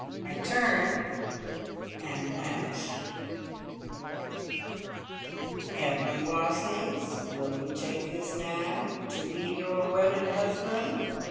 I turned and went! "Evelyn Wastneys, will you take this man to be your wedded husband?"